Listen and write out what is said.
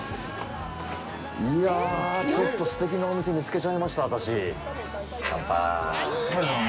いやあ、ちょっとすてきなお店、見つけちゃいました、私。